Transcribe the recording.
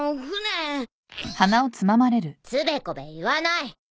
つべこべ言わない。